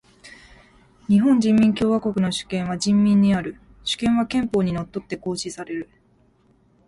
日本人民共和国の主権は人民にある。主権は憲法に則って行使される。